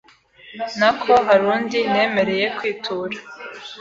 nako hari undi nemereye kwitura”